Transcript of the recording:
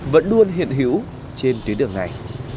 vẫn luôn hiện hữu trên tuyến đường này